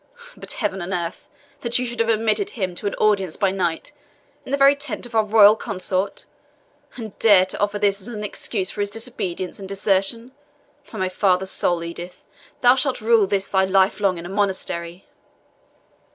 But, heaven and earth! that you should have admitted him to an audience by night, in the very tent of our royal consort! and dare to offer this as an excuse for his disobedience and desertion! By my father's soul, Edith, thou shalt rue this thy life long in a monastery!"